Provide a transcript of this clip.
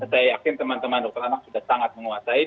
saya yakin teman teman dokter anak sudah sangat menguasai